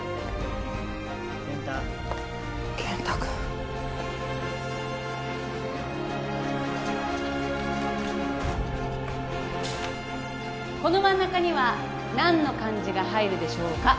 健太健太君この真ん中には何の漢字が入るでしょうか？